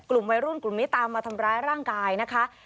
กลุ่มวัยรุ่นกลุ่มนี้ตามมาทำร้ายร่างกายนะคะ